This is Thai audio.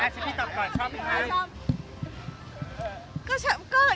ชิปพี่ตอบก่อนชอบหรือไม่